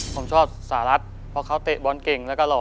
ผมชอบสารัสเพราะเค้าเตะบอลเก่งและหล่อ